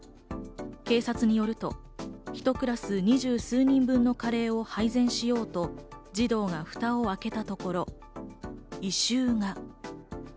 警察によると、ひとクラス２０数人分のカレーを配膳しようと児童が蓋を開けたところ、異臭が。